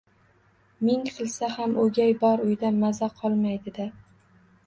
Ming qilsa ham o'gay bor uyda maza qolmaydi-da.